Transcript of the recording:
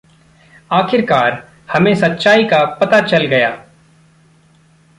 आखिरकार हमे सच्चाई का पता चल गया।